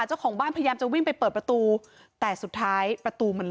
เจ้าของบ้านพยายามจะวิ่งไปเปิดประตูแต่สุดท้ายประตูมัน